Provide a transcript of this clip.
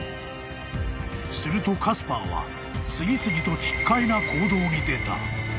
［するとカスパーは次々と奇っ怪な行動に出た］